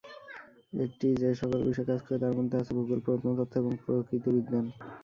এটি যে-সকল বিষয়ে কাজ করে তার মধ্যে আছে, ভূগোল, প্রত্নতত্ত্ব, এবং প্রকৃতি বিজ্ঞান।